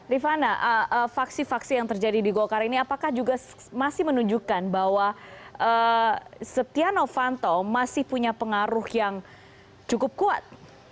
rifana faksi faksi yang terjadi di golkar ini apakah juga masih menunjukkan bahwa setia novanto masih punya pengaruh yang cukup kuat